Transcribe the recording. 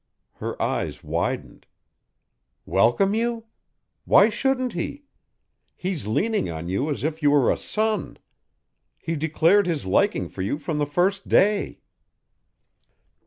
Her eyes widened. "Welcome you? Why shouldn't he? He's leaning on you as if you were a son. He declared his liking for you from the first day."